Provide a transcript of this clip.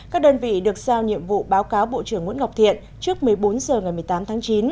các đơn vị được sao nhiệm vụ báo cáo bộ trưởng nguyễn ngọc thiện trước một mươi bốn h ngày một mươi tám tháng chín